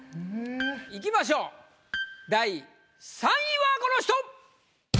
いきましょう第３位はこの人！